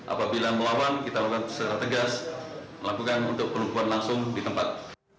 apabila melawan kita akan secara tegas melakukan penumpuan langsung di tempat